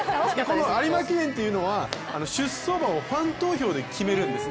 有馬記念というのは出走馬をファン投票で決めるんですよ。